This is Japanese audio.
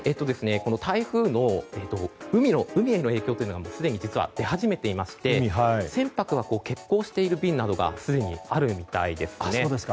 台風の海への影響がすでに、実は出始めていまして船舶は欠航している便などがすでにあるみたいですね。